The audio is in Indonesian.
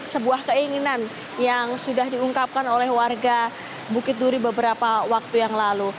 sebuah keinginan yang sudah diungkapkan oleh warga bukit duri beberapa waktu yang lalu